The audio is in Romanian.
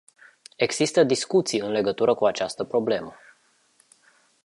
Există discuții în legătură cu această problemă.